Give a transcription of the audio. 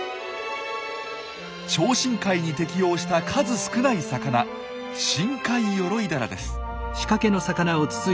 超深海に適応した数少ない魚シンカイヨロイダラです。